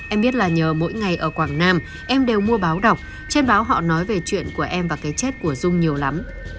em biết là nhờ mỗi ngày ở quảng nam em đều mua báo đọc trên báo họ nói về chuyện của em và cái chết của dung nhiều lắm